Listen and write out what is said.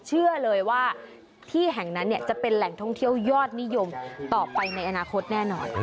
เชื่อเลยว่าที่แห่งนั้นจะเป็นแหล่งท่องเที่ยวยอดนิยมต่อไปในอนาคตแน่นอน